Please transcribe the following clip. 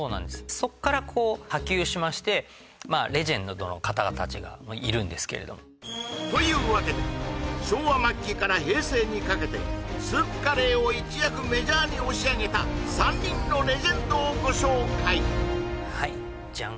そっからこう波及しましてレジェンドの方たちがいるんですけれどというわけで昭和末期から平成にかけてスープカレーを一躍メジャーに押し上げた３人のレジェンドをご紹介はいジャン